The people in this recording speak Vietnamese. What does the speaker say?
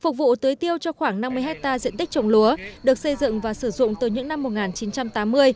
phục vụ tưới tiêu cho khoảng năm mươi hectare diện tích trồng lúa được xây dựng và sử dụng từ những năm một nghìn chín trăm tám mươi